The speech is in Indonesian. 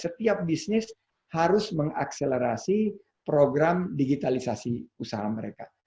setiap bisnis harus mengakselerasi program digitalisasi usaha mereka